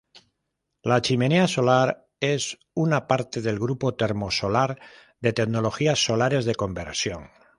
La chimenea solar es una parte del grupo termo-solar de tecnologías solares de conversión.